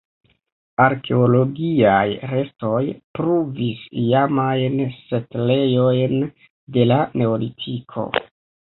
Arkeologiaj restoj pruvis iamajn setlejojn de la neolitiko.